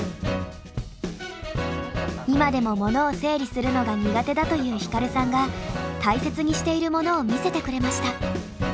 今でもモノを整理するのが苦手だというヒカルさんが大切にしているものを見せてくれました。